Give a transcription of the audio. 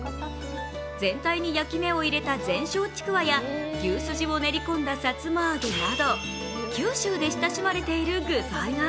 全体に焼き目を入れた全焼ちくわや牛すじを練り込んださつま揚など九州で親しまれている具材が。